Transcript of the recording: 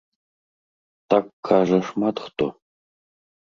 Так кажа шмат хто.